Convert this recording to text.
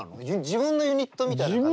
自分のユニットみたいな形。